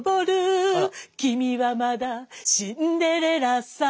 「君はまだシンデレラさ」